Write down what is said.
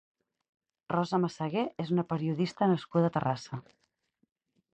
Rosa Massagué és una periodista nascuda a Terrassa.